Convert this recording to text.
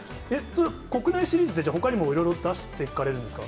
国内シリーズってほかにも色々出していかれるんですか。